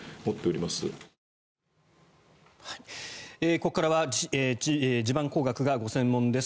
ここからは地盤工学がご専門です